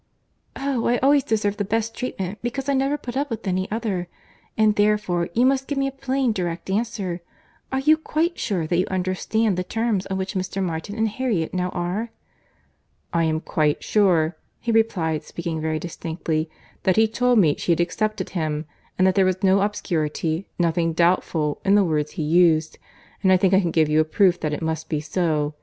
"Oh! I always deserve the best treatment, because I never put up with any other; and, therefore, you must give me a plain, direct answer. Are you quite sure that you understand the terms on which Mr. Martin and Harriet now are?" "I am quite sure," he replied, speaking very distinctly, "that he told me she had accepted him; and that there was no obscurity, nothing doubtful, in the words he used; and I think I can give you a proof that it must be so.